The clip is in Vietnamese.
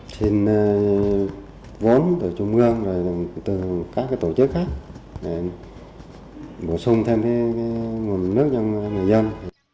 xin vốn từ trung ương từ các tổ chức khác để bổ sung thêm nguồn nước cho người dân